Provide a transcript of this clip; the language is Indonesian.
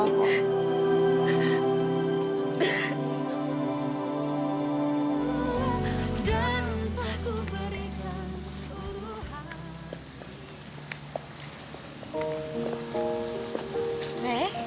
dan minta ku berikan seluruh hati